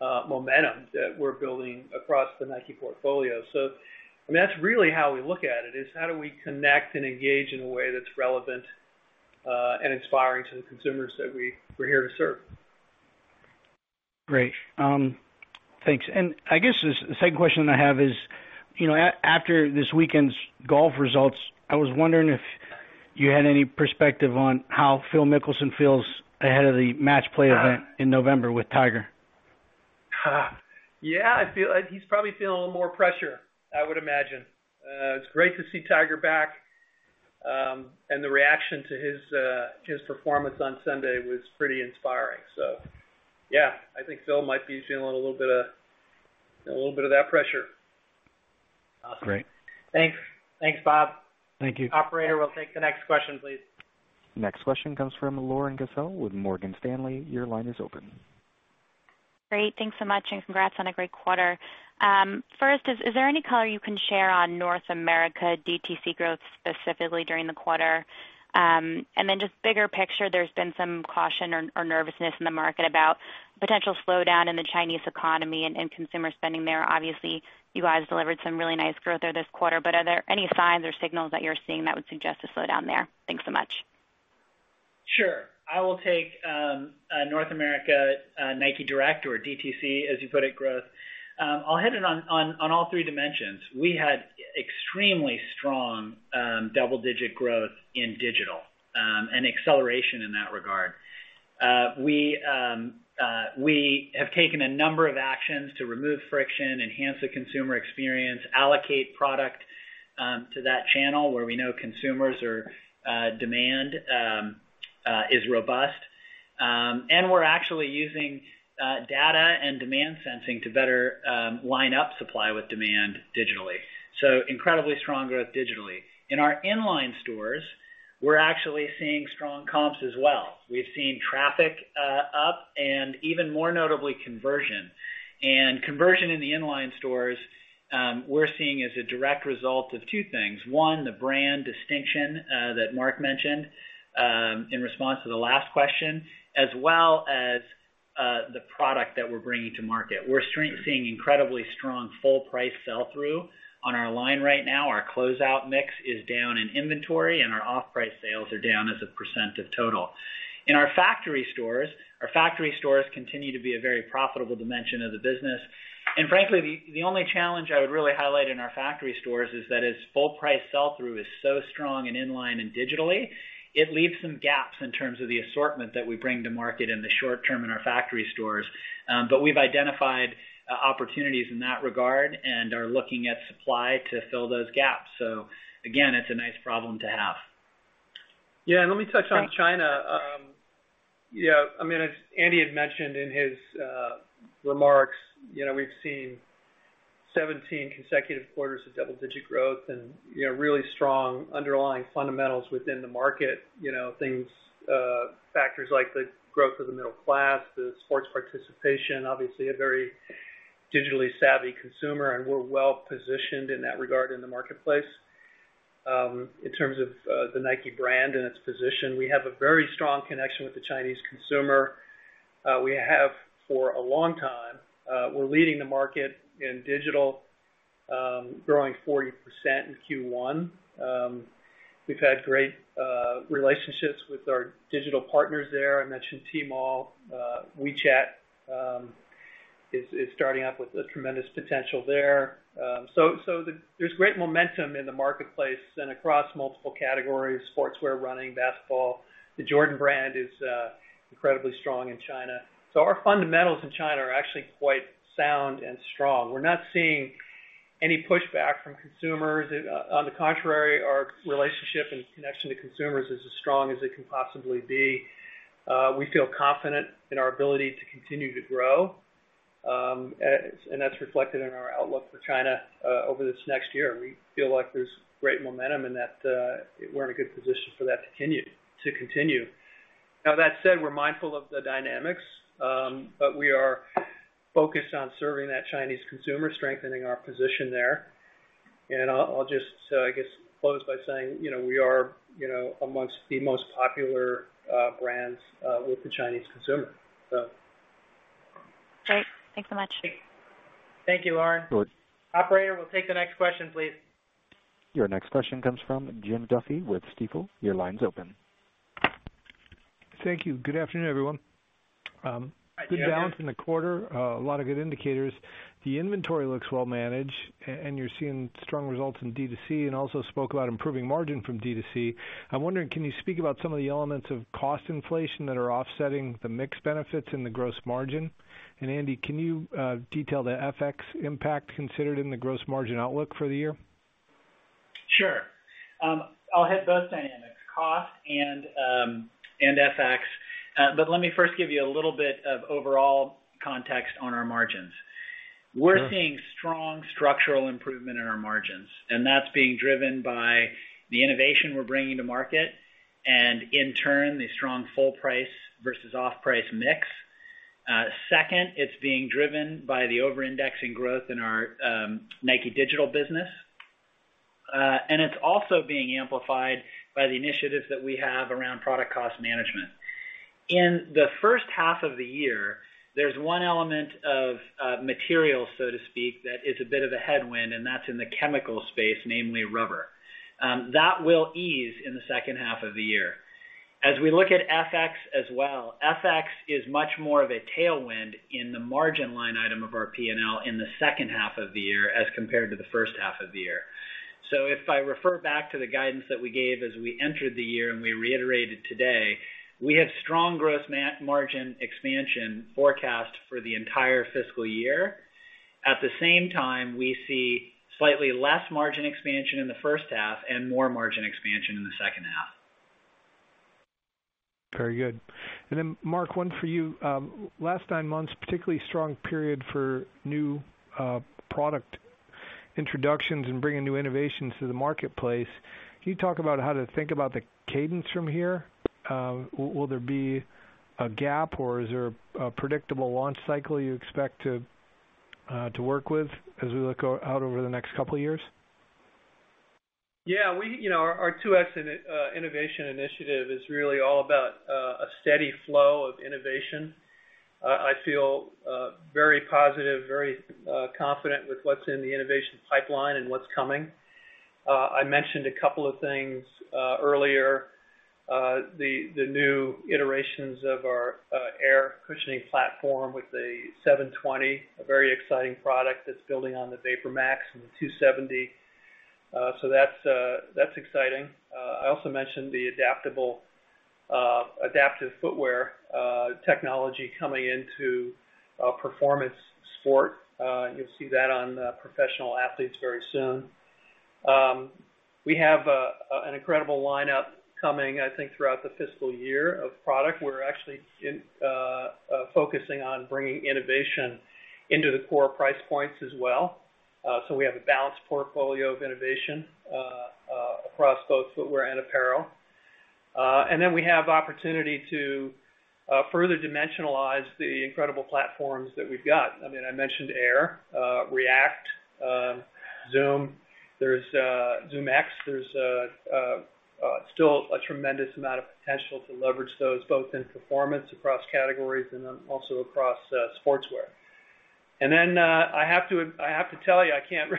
momentum that we're building across the Nike portfolio. That's really how we look at it, is how do we connect and engage in a way that's relevant and inspiring to the consumers that we're here to serve. Great. Thanks. I guess the second question I have is, after this weekend's golf results, I was wondering if you had any perspective on how Phil Mickelson feels ahead of the match play event in November with Tiger. He's probably feeling a little more pressure, I would imagine. It's great to see Tiger back. The reaction to his performance on Sunday was pretty inspiring. I think Phil might be feeling a little bit of that pressure. Awesome. Great. Thanks, Bob. Thank you. Operator, we'll take the next question, please. Next question comes from Lauren Cassel with Morgan Stanley. Your line is open. Great. Thanks so much, and congrats on a great quarter. Is there any color you can share on North America DTC growth, specifically during the quarter? Just bigger picture, there's been some caution or nervousness in the market about potential slowdown in the Chinese economy and consumer spending there. Obviously, you guys delivered some really nice growth there this quarter, are there any signs or signals that you're seeing that would suggest a slowdown there? Thanks so much. Sure. I will take North America Nike Direct or DTC, as you put it, growth. I'll hit it on all three dimensions. We had extremely strong double-digit growth in digital, acceleration in that regard. We have taken a number of actions to remove friction, enhance the consumer experience, allocate product to that channel where we know consumers or demand is robust. We're actually using data and demand sensing to better line up supply with demand digitally. Incredibly strong growth digitally. In our in-line stores, we're actually seeing strong comps as well. We've seen traffic up and even more notably, conversion. Conversion in the in-line stores, we're seeing as a direct result of two things. One, the brand distinction that Mark mentioned in response to the last question, as well as the product that we're bringing to market. We're seeing incredibly strong full price sell-through on our line right now. Our closeout mix is down in inventory, our off-price sales are down as a % of total. In our factory stores, our factory stores continue to be a very profitable dimension of the business. Frankly, the only challenge I would really highlight in our factory stores is that its full price sell-through is so strong and in-line and digitally, it leaves some gaps in terms of the assortment that we bring to market in the short term in our factory stores. We've identified opportunities in that regard and are looking at supply to fill those gaps. Again, it's a nice problem to have. Let me touch on China. As Andy had mentioned in his remarks, we've seen 17 consecutive quarters of double-digit growth and really strong underlying fundamentals within the market. Factors like the growth of the middle class, the sports participation, obviously a very digitally savvy consumer, we're well positioned in that regard in the marketplace. In terms of the Nike brand and its position, we have a very strong connection with the Chinese consumer. We have for a long time. We're leading the market in digital, growing 40% in Q1. We've had great relationships with our digital partners there. I mentioned Tmall. WeChat is starting up with a tremendous potential there. There's great momentum in the marketplace and across multiple categories, sportswear, running, basketball. The Jordan Brand is incredibly strong in China. Our fundamentals in China are actually quite sound and strong. We're not seeing any pushback from consumers. On the contrary, our relationship and connection to consumers is as strong as it can possibly be. We feel confident in our ability to continue to grow. That's reflected in our outlook for China over this next year. We feel like there's great momentum and that we're in a good position for that to continue. That said, we're mindful of the dynamics. We are focused on serving that Chinese consumer, strengthening our position there. I'll just, I guess, close by saying, we are amongst the most popular brands with the Chinese consumer. Great. Thanks so much. Thank you, Lauren. Sure. Operator, we'll take the next question, please. Your next question comes from Jim Duffy with Stifel. Your line's open. Thank you. Good afternoon, everyone. Hi, Jim. Good balance in the quarter. A lot of good indicators. The inventory looks well managed, and you're seeing strong results in D2C, and also spoke about improving margin from D2C. I'm wondering, can you speak about some of the elements of cost inflation that are offsetting the mix benefits and the gross margin? Andy, can you detail the FX impact considered in the gross margin outlook for the year? Sure. I'll hit both dynamics, cost and FX. Let me first give you a little bit of overall context on our margins. We're seeing strong structural improvement in our margins, and that's being driven by the innovation we're bringing to market, and in turn, the strong full price versus off-price mix. Second, it's being driven by the over-indexing growth in our Nike Digital business. It's also being amplified by the initiatives that we have around product cost management. In the first half of the year, there's one element of material, so to speak, that is a bit of a headwind, and that's in the chemical space, namely rubber. That will ease in the second half of the year. As we look at FX as well, FX is much more of a tailwind in the margin line item of our P&L in the second half of the year as compared to the first half of the year. If I refer back to the guidance that we gave as we entered the year and we reiterated today, we have strong gross margin expansion forecast for the entire fiscal year. At the same time, we see slightly less margin expansion in the first half and more margin expansion in the second half. Very good. Mark, one for you. Last nine months, particularly strong period for new product introductions and bringing new innovations to the marketplace. Can you talk about how to think about the cadence from here? Will there be a gap or is there a predictable launch cycle you expect to work with as we look out over the next couple of years? Our 2X Innovation initiative is really all about a steady flow of innovation. I feel very positive, very confident with what's in the innovation pipeline and what's coming. I mentioned a couple of things earlier. The new iterations of our Air cushioning platform with the 720, a very exciting product that's building on the VaporMax and the 270. That's exciting. I also mentioned the adaptive footwear technology coming into performance sport. You'll see that on professional athletes very soon. We have an incredible lineup coming, I think, throughout the fiscal year of product. We're actually focusing on bringing innovation into the core price points as well. We have a balanced portfolio of innovation across both footwear and apparel. We have opportunity to further dimensionalize the incredible platforms that we've got. I mentioned Air, React, Zoom, ZoomX. There's still a tremendous amount of potential to leverage those, both in performance across categories and then also across sportswear. I have to tell you, I can't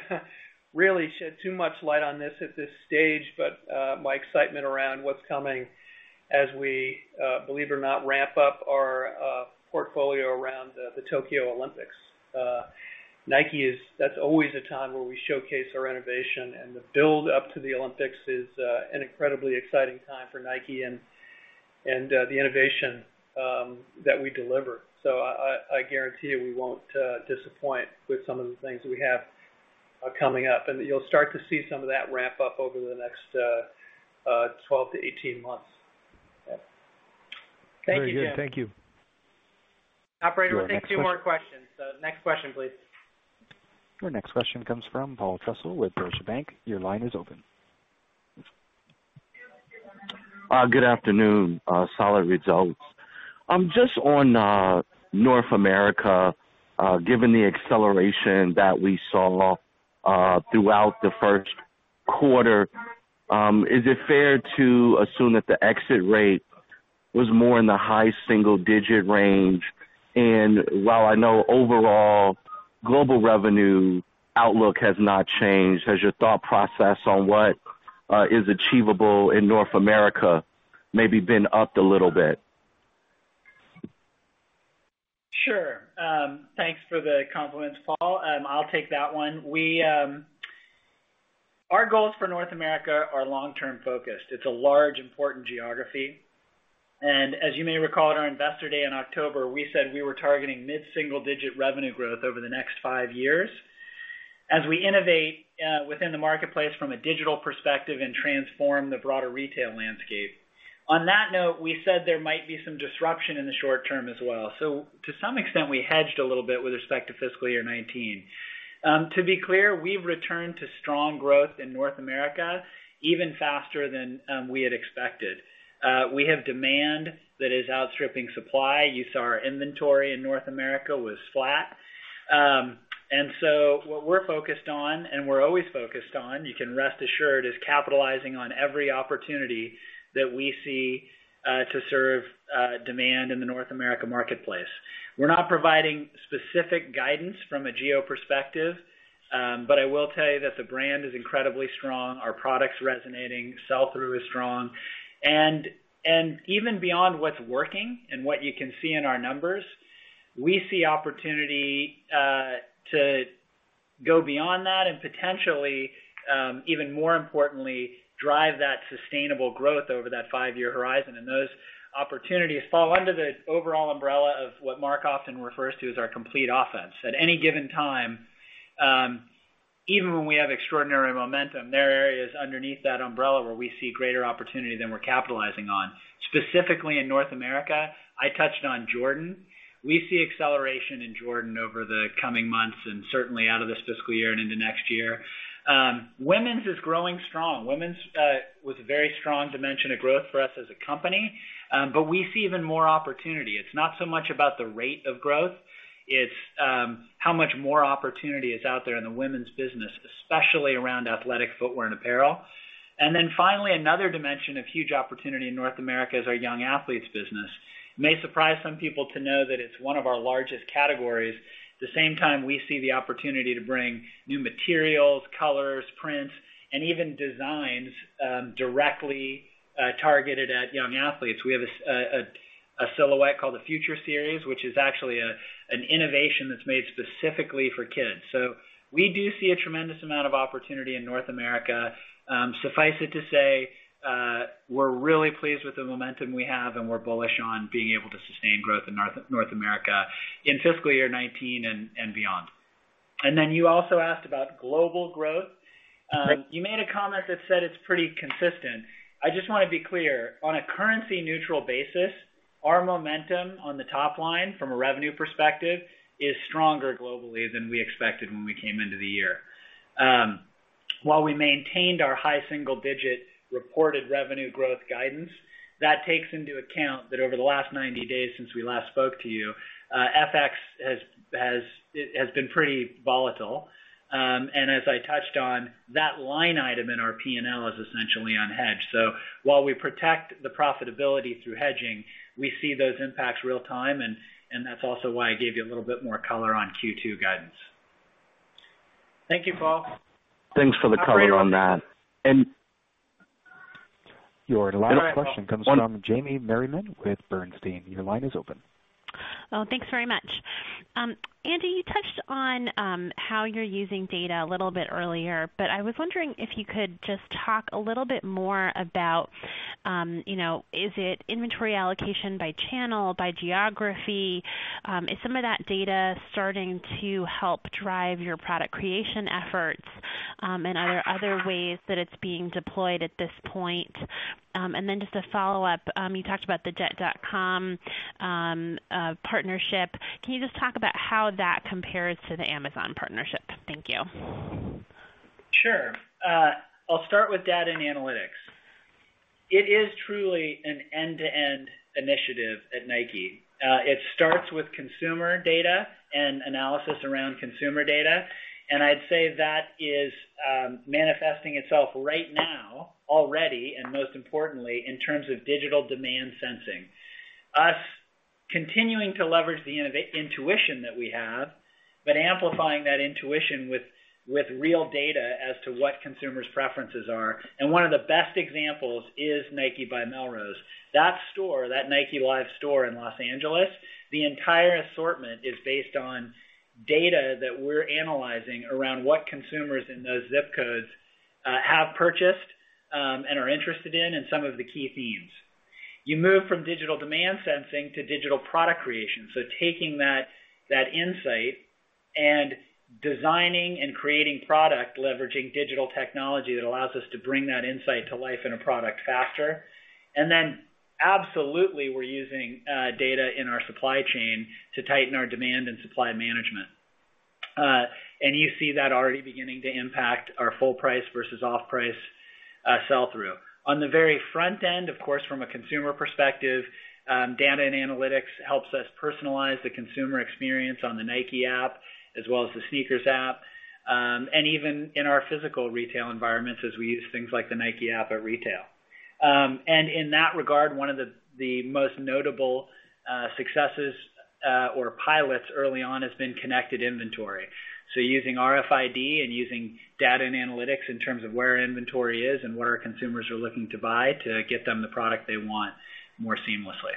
really shed too much light on this at this stage, but my excitement around what's coming as we, believe or not, ramp up our portfolio around the Tokyo Olympics. That's always a time where we showcase our innovation, and the build up to the Olympics is an incredibly exciting time for Nike and the innovation that we deliver. I guarantee you, we won't disappoint with some of the things that we have coming up. You'll start to see some of that ramp up over the next 12-18 months. Thank you, Jim. Very good. Thank you. Operator, we'll take two more questions. Next question, please. Your next question comes from Paul Trussell with Deutsche Bank. Your line is open. Good afternoon. Solid results. Just on North America, given the acceleration that we saw throughout the first quarter, is it fair to assume that the exit rate was more in the high single-digit range? While I know overall global revenue outlook has not changed, has your thought process on what is achievable in North America maybe been upped a little bit? Sure. Thanks for the compliments, Paul. I'll take that one. Our goals for North America are long-term focused. It's a large, important geography. As you may recall at our investor day in October, we said we were targeting mid-single digit revenue growth over the next five years as we innovate within the marketplace from a digital perspective and transform the broader retail landscape. On that note, we said there might be some disruption in the short term as well. To some extent, we hedged a little bit with respect to fiscal year 2019. To be clear, we've returned to strong growth in North America even faster than we had expected. We have demand that is outstripping supply. You saw our inventory in North America was flat. What we're focused on and we're always focused on, you can rest assured, is capitalizing on every opportunity that we see to serve demand in the North America marketplace. We're not providing specific guidance from a geo perspective, I will tell you that the brand is incredibly strong. Our product's resonating. Sell-through is strong. Even beyond what's working and what you can see in our numbers, we see opportunity to go beyond that and potentially, even more importantly, drive that sustainable growth over that five-year horizon. Those opportunities fall under the overall umbrella of what Mark often refers to as our complete offense. At any given time, even when we have extraordinary momentum, there are areas underneath that umbrella where we see greater opportunity than we're capitalizing on. Specifically in North America, I touched on Jordan. We see acceleration in Jordan over the coming months, certainly out of this fiscal year and into next year. Women's is growing strong. Women's was a very strong dimension of growth for us as a company. We see even more opportunity. It's not so much about the rate of growth. It's how much more opportunity is out there in the women's business, especially around athletic footwear and apparel. Finally, another dimension of huge opportunity in North America is our young athletes business. It may surprise some people to know that it's one of our largest categories. At the same time, we see the opportunity to bring new materials, colors, prints, and even designs directly targeted at young athletes. We have a silhouette called the Future Speed, which is actually an innovation that's made specifically for kids. We do see a tremendous amount of opportunity in North America. Suffice it to say, we're really pleased with the momentum we have, and we're bullish on being able to sustain growth in North America in fiscal year 2019 and beyond. You also asked about global growth. You made a comment that said it's pretty consistent. I just want to be clear. On a currency neutral basis, our momentum on the top line from a revenue perspective is stronger globally than we expected when we came into the year. While we maintained our high single-digit reported revenue growth guidance, that takes into account that over the last 90 days since we last spoke to you, FX has been pretty volatile. As I touched on, that line item in our P&L is essentially unhedged. While we protect the profitability through hedging, we see those impacts real time, and that's also why I gave you a little bit more color on Q2 guidance. Thank you, Paul. Thanks for the color on that. Your last question comes from Jamie Merriman with Bernstein. Your line is open. Oh, thanks very much. Andy, you touched on how you're using data a little bit earlier, I was wondering if you could just talk a little bit more about, is it inventory allocation by channel, by geography? Is some of that data starting to help drive your product creation efforts? Are there other ways that it's being deployed at this point? Just a follow-up. You talked about the Jet.com partnership. Can you just talk about how that compares to the Amazon partnership? Thank you. Sure. I'll start with data and analytics. It is truly an end-to-end initiative at Nike. It starts with consumer data and analysis around consumer data, I'd say that is manifesting itself right now already, and most importantly, in terms of digital demand sensing. Us continuing to leverage the intuition that we have, amplifying that intuition with real data as to what consumers' preferences are. One of the best examples is Nike by Melrose. That store, that Nike Live store in Los Angeles, the entire assortment is based on data that we're analyzing around what consumers in those ZIP codes have purchased, and are interested in, and some of the key themes. You move from digital demand sensing to digital product creation. Taking that insight and designing and creating product, leveraging digital technology that allows us to bring that insight to life in a product faster. Absolutely, we're using data in our supply chain to tighten our demand and supply management. You see that already beginning to impact our full price versus off price sell-through. On the very front end, of course, from a consumer perspective, data and analytics helps us personalize the consumer experience on the Nike App as well as the SNKRS App. Even in our physical retail environments as we use things like the Nike App at Retail. In that regard, one of the most notable successes or pilots early on has been connected inventory. Using RFID and using data and analytics in terms of where our inventory is and what our consumers are looking to buy to get them the product they want more seamlessly.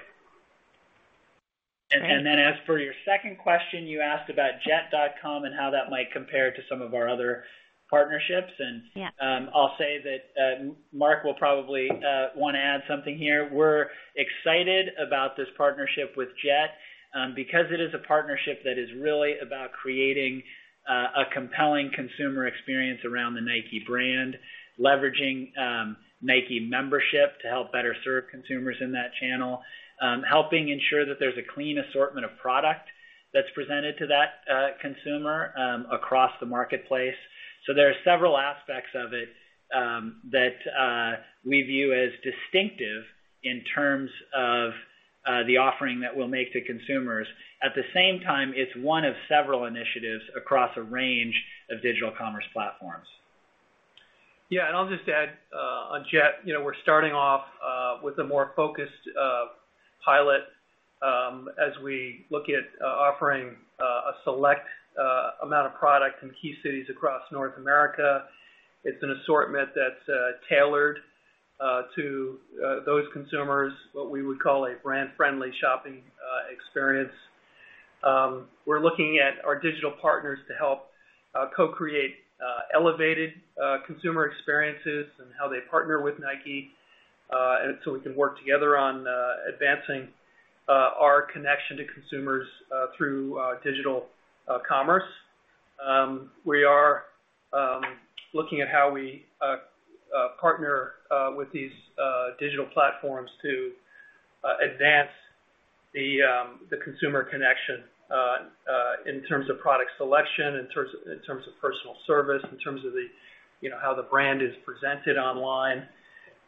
Great. As for your second question, you asked about Jet.com and how that might compare to some of our other partnerships. Yeah. I'll say that Mark will probably want to add something here. We're excited about this partnership with Jet because it is a partnership that is really about creating a compelling consumer experience around the Nike brand, leveraging Nike membership to help better serve consumers in that channel, helping ensure that there's a clean assortment of product that's presented to that consumer across the marketplace. There are several aspects of it that we view as distinctive in terms of the offering that we'll make to consumers. At the same time, it's one of several initiatives across a range of digital commerce platforms. I'll just add on Jet. We're starting off with a more focused pilot as we look at offering a select amount of product in key cities across North America. It's an assortment that's tailored to those consumers, what we would call a brand-friendly shopping experience. We're looking at our digital partners to help co-create elevated consumer experiences and how they partner with Nike. We can work together on advancing our connection to consumers through digital commerce. We are looking at how we partner with these digital platforms to advance the consumer connection in terms of product selection, in terms of personal service, in terms of how the brand is presented online.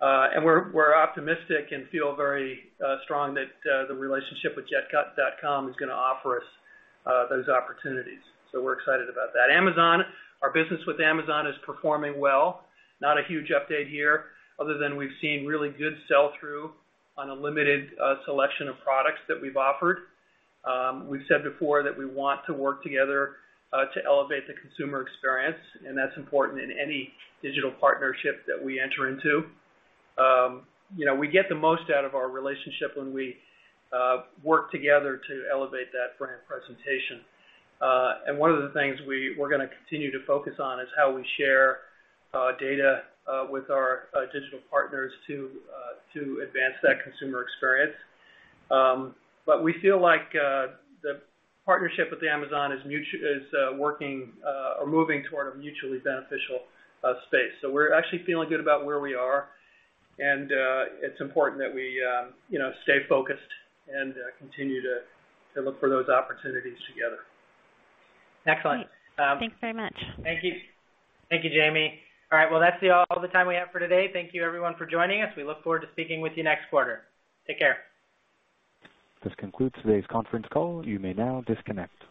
We're optimistic and feel very strong that the relationship with Jet.com is going to offer us those opportunities. We're excited about that. Amazon, our business with Amazon is performing well. Not a huge update here other than we've seen really good sell-through on a limited selection of products that we've offered. We've said before that we want to work together to elevate the consumer experience, and that's important in any digital partnership that we enter into. We get the most out of our relationship when we work together to elevate that brand presentation. One of the things we're going to continue to focus on is how we share data with our digital partners to advance that consumer experience. We feel like the partnership with Amazon is working or moving toward a mutually beneficial space. We're actually feeling good about where we are, and it's important that we stay focused and continue to look for those opportunities together. Excellent. Thanks very much. Thank you. Thank you, Jamie. All right. Well, that's all the time we have for today. Thank you, everyone, for joining us. We look forward to speaking with you next quarter. Take care. This concludes today's conference call. You may now disconnect.